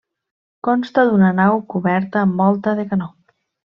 Consta d'una nau coberta amb volta de canó.